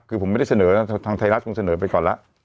คือผมไม่ได้เสนอนะทางไทยรัฐคงเสนอไปก่อนแล้ว